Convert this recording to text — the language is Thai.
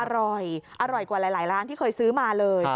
อร่อยอร่อยกว่าหลายร้านที่เคยซื้อมาเลย